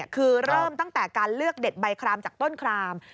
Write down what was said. คือเริ่มตั้งแต่การเลือกเด็ดใบครามจากต้นคราม